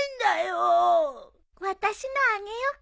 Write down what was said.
私のあげようか。